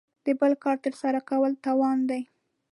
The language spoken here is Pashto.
د بل کار تر سره کولو توان دی.